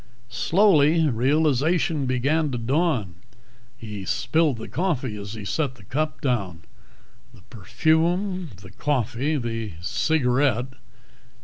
Slowly, realization began to dawn. He spilled the coffee as he set the cup down. The perfume. The coffee. The cigarette....